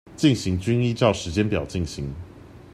進行均依照時間表進行